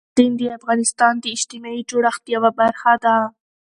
هلمند سیند د افغانستان د اجتماعي جوړښت یوه برخه ده.